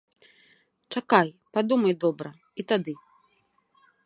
Чакай, падумай добра, і тады.